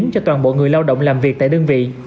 cho toàn bộ người lao động làm việc tại đơn vị